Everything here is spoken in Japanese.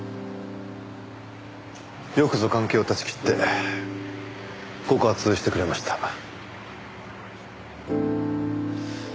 よくぞ関係を断ち切って告発してくれました。